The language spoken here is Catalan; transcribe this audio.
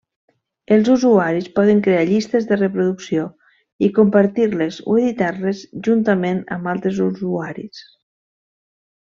Els usuaris poden crear llistes de reproducció i compartir-les o editar-les juntament amb altres usuaris.